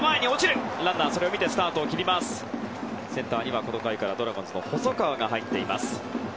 センターにはこの回からドラゴンズの細川が入っています。